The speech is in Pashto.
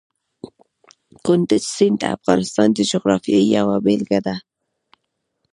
کندز سیند د افغانستان د جغرافیې یوه بېلګه ده.